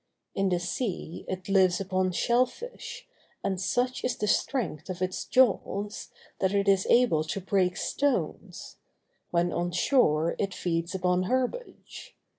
In the sea it lives upon shell fish, and such is the strength of its jaws, that it is able to break stones; when on shore, it feeds upon herbage.